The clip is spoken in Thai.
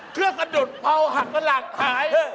เพื่อสะดุดเผาหักลักหาย